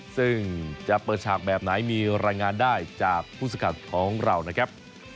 ซึ่งจะเปิดฉากแบบไหนมีรายงานได้จากผู้สกัดของเรานะครับ